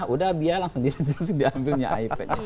udah dia langsung disitu terus diambilnya ipadnya